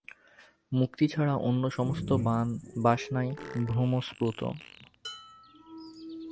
মুক্তি ছাড়া অন্য সমস্ত বাসনাই ভ্রমপ্রসূত।